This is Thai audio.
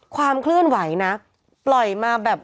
ความเคลื่อนไหวนะปล่อยมาแบบ